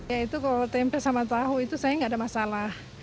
ya itu kalau tempe sama tahu itu saya nggak ada masalah